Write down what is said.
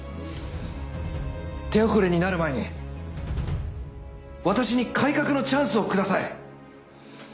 手遅れになる前に私に改革のチャンスをください。